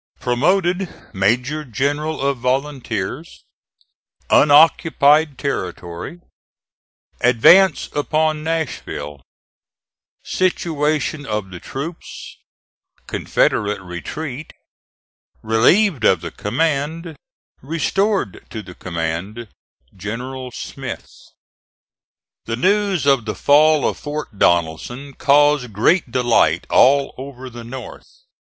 PROMOTED MAJOR GENERAL OF VOLUNTEERS UNOCCUPIED TERRITORY ADVANCE UPON NASHVILLE SITUATION OF THE TROOPS CONFEDERATE RETREAT RELIEVED OF THE COMMAND RESTORED TO THE COMMAND GENERAL SMITH. The news of the fall of Fort Donelson caused great delight all over the North.